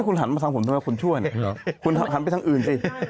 คุณหันมาทางผมทำไมคุณช่วยเนี่ยคุณหันไปทางอื่นสิ